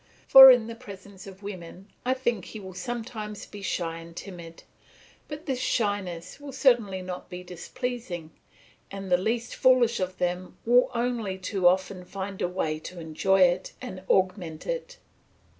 For in the presence of women I think he will sometimes be shy and timid; but this shyness will certainly not be displeasing, and the least foolish of them will only too often find a way to enjoy it and augment it.